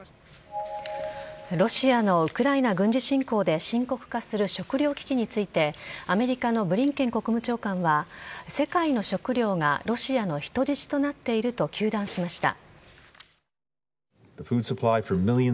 ロシアのウクライナ軍事侵攻で深刻化する食糧危機についてアメリカのブリンケン国務長官は世界の食糧がロシアの人質となっていると糾弾しました。